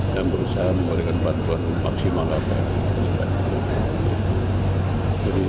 dan berusaha memberikan bantuan maksimal agar penyelidikan